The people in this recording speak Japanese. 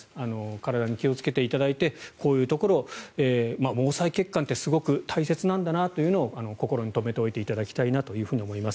体に気をつけていただいてこういうところを毛細血管ってすごく大切なんだなというのを心にとめておいていただきたいなと思います。